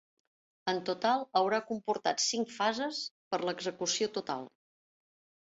En total haurà comportat cinc fases per l'execució total.